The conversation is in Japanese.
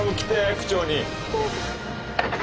区長に。